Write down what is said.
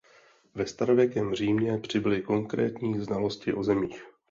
Ve starověkém Římě přibyly konkrétní znalosti o zemích.